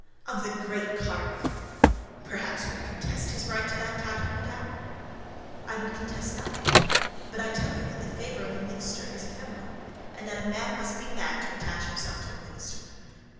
"Of the great cardinal!" "Perhaps you would contest his right to that title, madame?" "I would contest nothing; but I tell you that the favor of a minister is ephemeral, and that a man must be mad to attach himself to a minister.